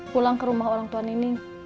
pulang ke rumah orangtua neneng